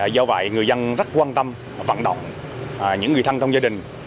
do vậy người dân rất quan tâm vận động những người thân trong gia đình